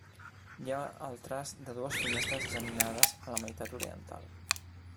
Hi ha el traç de dues finestres geminades a la meitat oriental.